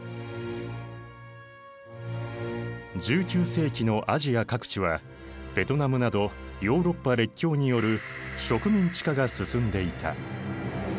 １９世紀のアジア各地はベトナムなどヨーロッパ列強による植民地化が進んでいた。